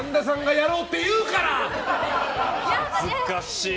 恥ずかしい。